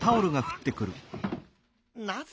なぜ？